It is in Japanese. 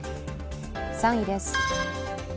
３位です。